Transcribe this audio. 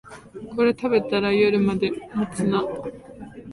これ食べたら夜まで持つな